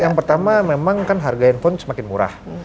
yang pertama memang kan harga handphone semakin murah